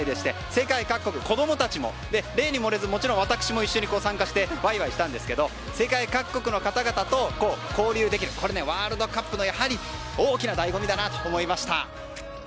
世界各国、子供たちも私も一緒に参加してワイワイしたんですが世界各国の方々と交流できるワールドカップやはり大きな醍醐味だなと思いました。